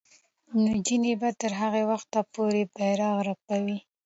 نجونې به تر هغه وخته پورې بیرغ رپوي.